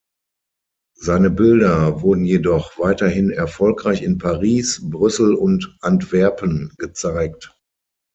Seine Bilder wurden jedoch weiterhin erfolgreich in Paris, Brüssel und Antwerpen gezeigt.